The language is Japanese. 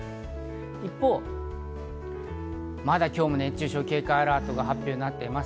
一方、まだ今日も熱中症警戒アラートが発表されています。